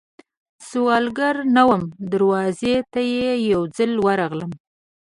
سوالګره نه وم، دروازې ته یې یوځل ورغلم